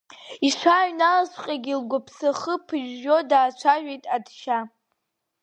Ишааҩналазҵәҟьа лгәаԥсахы ԥыжәжәо даацәажәеит Адшьа.